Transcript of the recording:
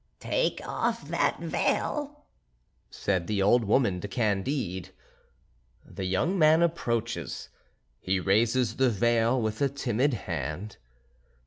"Take off that veil," said the old woman to Candide. The young man approaches, he raises the veil with a timid hand.